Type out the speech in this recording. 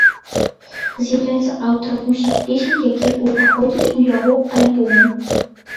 З'яўляецца аўтарам усіх песень, якія ўваходзяць у яго альбомаў.